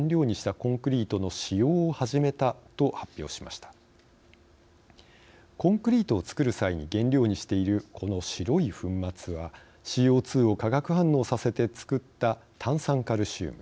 コンクリートを作る際に原料にしている、この白い粉末はＣＯ２を化学反応させて作った炭酸カルシウム。